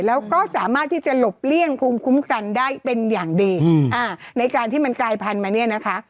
แล้วก็สามารถที่จะหลบเลี่ยงภูมิคุ้มกันได้เป็นอย่างดีอืมอ่าในการที่มันกลายพันธุ์มาเนี่ยนะคะ